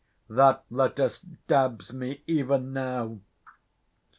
That letter stabs me even now.